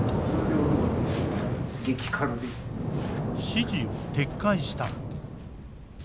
指示を撤回した。